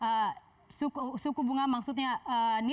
dan itu jauh dari kecukupan standar internasional